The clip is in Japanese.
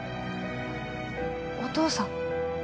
お父さん？